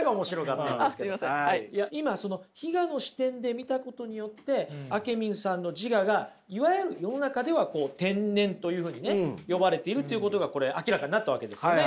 今その非我の視点で見たことによってあけみんさんの自我がいわゆる世の中ではこう天然というふうにね呼ばれているということがこれ明らかになったわけですよね。